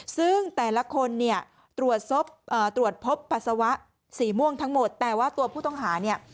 ซึ่งแต่ละคนเนี่ยตรวจพบปัสสาวะสีม่วงทั้งหมดแต่ว่าตัวผู้ต้องหาเนี่ย